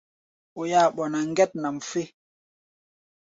Oi-áa ɓɔná ŋgɛt nʼam fé.